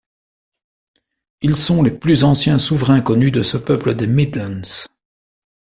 Ils sont les plus anciens souverains connus de ce peuple des Midlands.